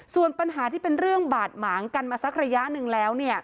ส่วนปัญหาที่เป็นเรื่องบาดหมางกันมาสักระยะหนึ่งแล้ว